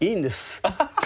アハハッ。